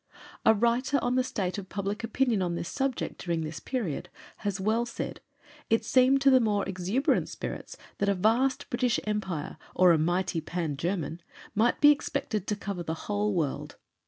A writer on the state of public opinion on this subject during this period has well said: "It seemed to the more exuberant spirits that a vast British Empire, or a mighty Pan German, might be expected to cover the whole world.